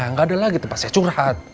nggak ada lagi tempat saya curhat